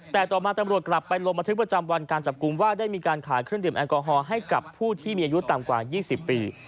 แต่ต่อมาตำรวจกลับไปลงบันทึกประจำวันการจับกลุ่มว่าได้มีการขายเครื่องดื่มแอลกอฮอล์ให้กับผู้ที่มีอายุต่ำกว่า๒๐ปี